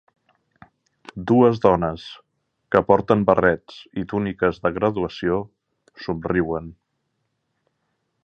Dues dones que porten barrets i túniques de graduació somriuen.